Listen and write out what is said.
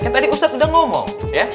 tadi ustadz udah ngomong ya